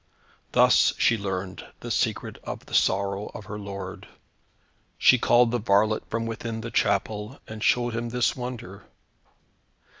Thus she learned the secret of the sorrow of her lord. She called the varlet within the chapel, and showed him this wonder.